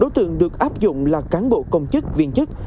sáu đối tượng được áp dụng là cán bộ công chức viên chức